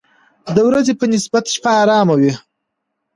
د ورځې په نسبت شپه آرامه وي.